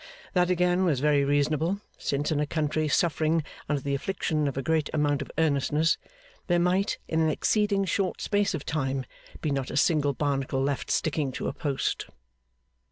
That again was very reasonable; since in a country suffering under the affliction of a great amount of earnestness, there might, in an exceeding short space of time, be not a single Barnacle left sticking to a post.